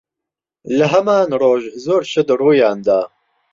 لە هەمان ڕۆژ، زۆر شت ڕوویان دا.